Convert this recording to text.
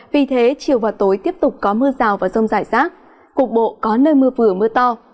vì thế chiều và tối tiếp tục có mưa rào và rông rải rác cục bộ có nơi mưa vừa mưa to